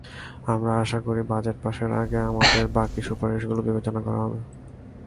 আমরা আশা করি, বাজেট পাসের আগে আমাদের বাকি সুপারিশগুলো বিবেচনা করা হবে।